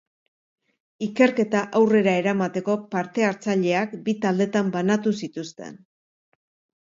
Ikerketa aurrera eramateko parte-hartzaileak bi taldetan banatu zituzten.